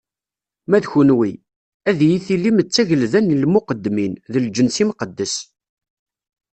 Ma d kenwi, ad yi-tilim d tagelda n lmuqeddmin, d lǧens imqeddes.